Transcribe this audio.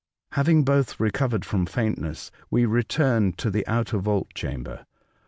Having both recovered from faintness, we returned to the outer vaulted chamber.